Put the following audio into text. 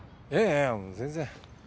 いやいやもう全然。